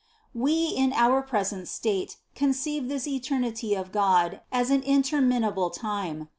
We, in our present state, conceive this eternity of God as an interminable time.